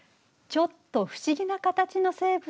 ちょっと不思議な形の生物？